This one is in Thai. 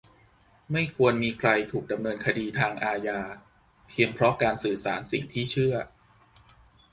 - ไม่ควรมีใครถูกดำเนินคดีทางอาญาเพียงเพราะการสื่อสารสิ่งที่เชื่อ